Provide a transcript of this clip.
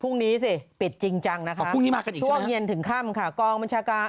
พรุ่งนี้สิปิดจริงจังนะคะช่วงเย็นถึงค่ำค่ะพรุ่งนี้มากันอีกใช่ไหม